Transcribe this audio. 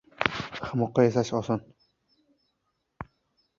• Ahmoqqa yashash oson.